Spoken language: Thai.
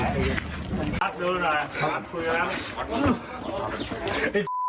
ขอบคุณครับขอบคุณครับ